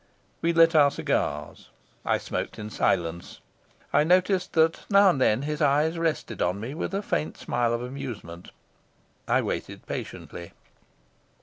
We lit our cigars. I smoked in silence. I noticed that now and then his eyes rested on me with a faint smile of amusement. I waited patiently.